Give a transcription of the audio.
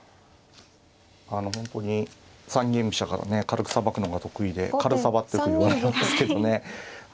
あの本当に三間飛車からね軽くさばくのが得意で軽サバってよくいわれますけどね。